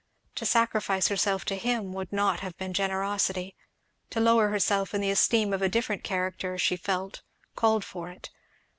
To sacrifice herself to him would not have been generosity, to lower herself in the esteem of a different character, she felt, called for it.